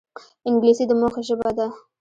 انګلیسي د موخې ژبه ده